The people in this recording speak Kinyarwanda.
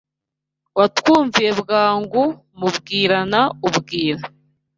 Watwumviye bwangu Mubwirana ubwira